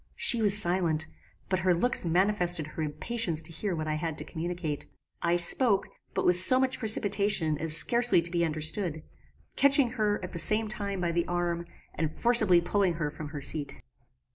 "She was silent, but her looks manifested her impatience to hear what I had to communicate. I spoke, but with so much precipitation as scarcely to be understood; catching her, at the same time, by the arm, and forcibly pulling her from her seat.